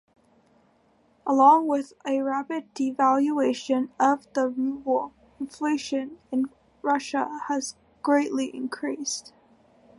Along with a rapid devaluation of the Ruble inflation in Russia has greatly increased.